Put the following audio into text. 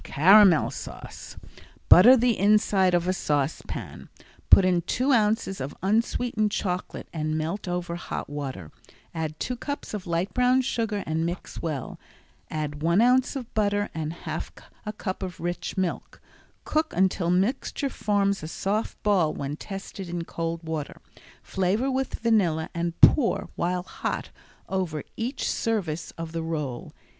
Caramel Sauce Butter the inside of a saucepan. Put in two ounces of unsweetened chocolate and melt over hot water. Add two cups of light brown sugar and mix well. Add one ounce of butter and half a cup of rich milk. Cook until mixture forms a soft ball when tested in cold water. Flavor with vanilla and pour, while hot, over each service of the roll.